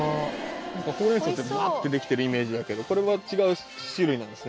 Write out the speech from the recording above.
ほうれん草ってブワッてできてるイメージだけどこれは違う種類なんですね？